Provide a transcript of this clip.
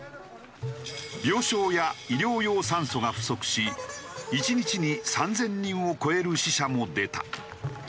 病床や医療用酸素が不足し１日に３０００人を超える死者も出た。